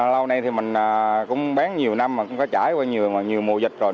lâu nay thì mình cũng bán nhiều năm mà cũng có trải qua nhiều mùa dịch rồi